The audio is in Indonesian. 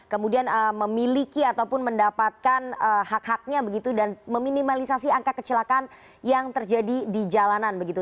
kemudian memiliki ataupun mendapatkan hak haknya begitu dan meminimalisasi angka kecelakaan yang terjadi di jalanan begitu